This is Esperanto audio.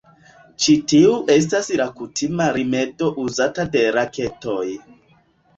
Ĉi tiu estas la kutima rimedo uzata de raketoj.